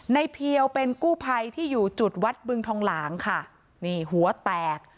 เพียวเป็นกู้ภัยที่อยู่จุดวัดบึงทองหลางค่ะนี่หัวแตก